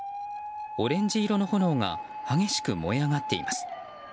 オレンジ色の炎が激しく燃え上がっています。